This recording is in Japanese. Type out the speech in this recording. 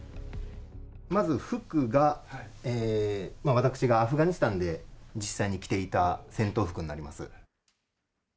まず服が私がアフガニスタンで実際に着ていた戦闘服になりま